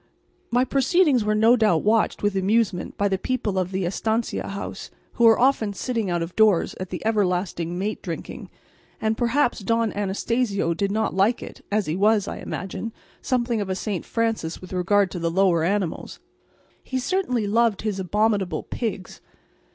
My proceedings were no doubt watched with amusement by the people of the estancia house, who were often sitting out of doors at the everlasting mate drinking; and perhaps Don Anastacio did not like it, as he was, I imagine, something of a St. Francis with regard to the lower animals. He certainly loved his abominable pigs.